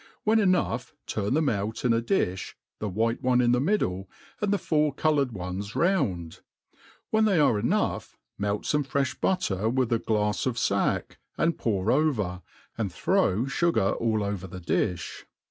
when enough, turn them out in a difli, the white oife in the middle, and the four coloured ones round. When they inre em>ugh, melt fome frefli butter with a glafs of facky and pour over, and throw iugar all over the diih.